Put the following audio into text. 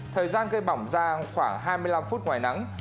thời gian gây bỏng da khoảng hai mươi năm phút ngoài nắng